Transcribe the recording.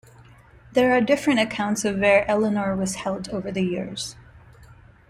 There are different accounts of where Eleanor was held over the years.